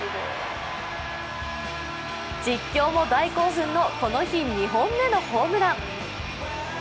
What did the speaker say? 実況も大興奮のこの日２本目のホームラン。